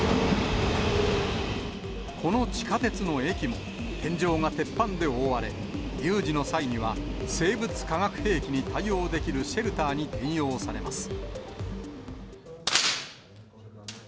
この地下鉄の駅も、天井が鉄板で覆われ、有事の際には、生物化学兵器に対応できるシェルターに転用されます。